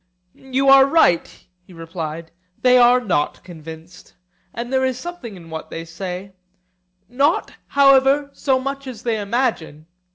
You are right, he replied; they are not convinced: and there is something in what they say; not, however, so much as they imagine.